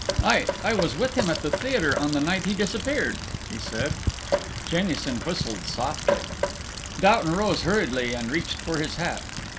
"I I was with him at the theatre on the night he disappeared," he said. Jamieson whistled softly. Doughton rose hurriedly and reached for his hat.